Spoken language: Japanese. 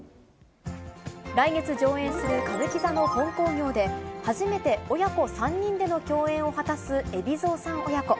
来月上演する歌舞伎座の本興行で、初めて親子３人での共演を果たす海老蔵さん親子。